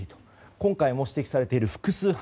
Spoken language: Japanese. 今回も指摘されている複数犯